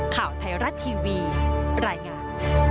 ข่าวไทยรัฐทีวีรายงาน